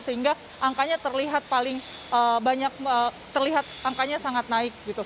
sehingga angkanya terlihat sangat naik